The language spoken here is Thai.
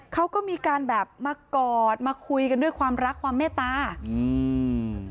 เขาก็มีการแบบมากอดมาคุยกันด้วยความรักความเมตตาอืม